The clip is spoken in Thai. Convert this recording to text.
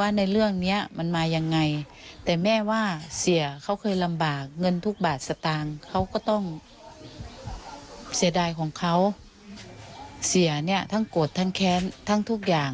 ว่าในเรื่องนี้มันมายังไงแต่แม่ว่าเสียเขาเคยลำบากเงินทุกบาทสตางค์เขาก็ต้องเสียดายของเขาเสียเนี่ยทั้งโกรธทั้งแค้นทั้งทุกอย่าง